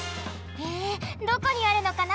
へえどこにあるのかな？